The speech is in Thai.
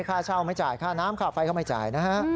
ค่าเช่าไม่จ่ายค่าน้ำค่าไฟก็ไม่จ่ายนะฮะ